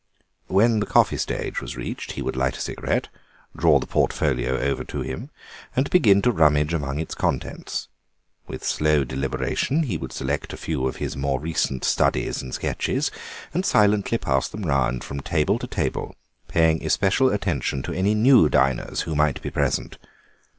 When the coffee stage was reached he would light a cigarette, draw the portfolio over to him, and begin to rummage among its contents. With slow deliberation he would select a few of his more recent studies and sketches, and silently pass them round from table to table, paying especial attention to any new diners who might be present.